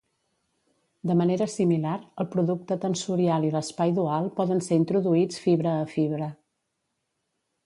De manera similar, el producte tensorial i l'espai dual poden ser introduïts fibra a fibra.